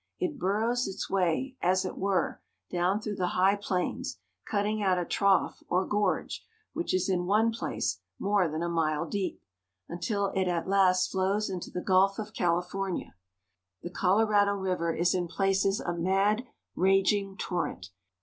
It burrows its way, as it were, down through the high plains, cutting out a trough, or gorge, which is in one place more than a mile deep, until it at last flows into the Gulf of California. The Colorado River is in places a mad, raging tor rent.